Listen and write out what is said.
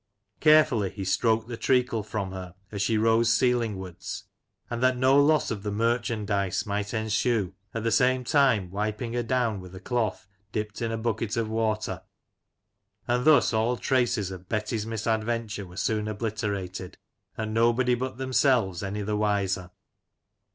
Carefully he stroked the treacle from her as she rose ceiling wards, and that no loss of the merchandise might ensue, at the same time wiping her down with a cloth dipped in a bucket of water, and thus all traces of Betty's misadventure were soon obliterated, and nobody but them selves any the wiser.